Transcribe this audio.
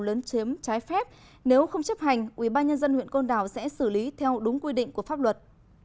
lớn chiếm trái phép nếu không chấp hành ubnd huyện côn đảo sẽ xử lý theo đúng quy định của pháp luật